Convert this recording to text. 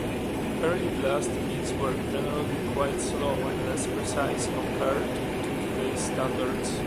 Early blast beats were generally quite slow and less precise compared to today's standards.